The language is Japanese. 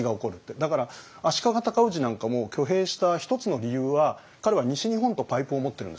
だから足利尊氏なんかも挙兵した一つの理由は彼は西日本とパイプを持ってるんですよ。